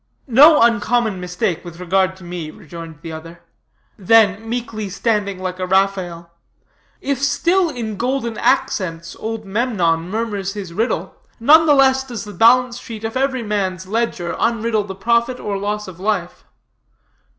"No uncommon mistake with regard to me," rejoined the other. Then meekly standing like a Raphael: "If still in golden accents old Memnon murmurs his riddle, none the less does the balance sheet of every man's ledger unriddle the profit or loss of life.